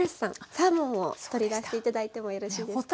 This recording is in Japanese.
サーモンを取り出して頂いてもよろしいですか？